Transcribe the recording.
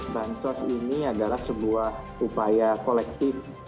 bansos ini adalah sebuah upaya kolektif